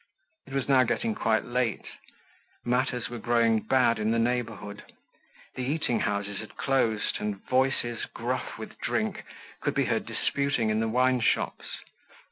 It was now getting quite late. Matters were growing bad in the neighborhood. The eating houses had closed and voices, gruff with drink, could be heard disputing in the wineshops.